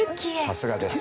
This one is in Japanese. さすがです。